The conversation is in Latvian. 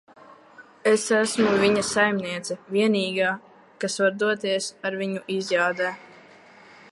Es esmu viņa saimniece. Vienīgā, kas var doties ar viņu izjādē.